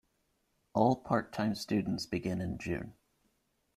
All part-time students begin in June.